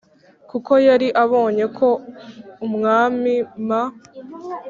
kuko yari abonye ko umwamim